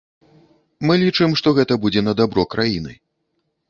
Мы лічым, што гэта будзе на дабро краіны.